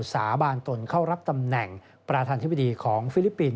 สาบานตนเข้ารับตำแหน่งประธานธิบดีของฟิลิปปินส